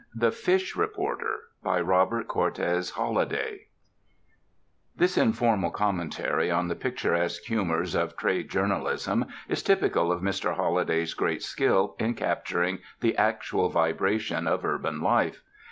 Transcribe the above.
THE FISH REPORTER By ROBERT CORTES HOLLIDAY This informal commentary on the picturesque humors of trade journalism is typical of Mr. Holliday's great skill in capturing the actual vibration of urban life.